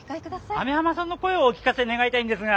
網浜さんの声をお聞かせ願いたいんですが。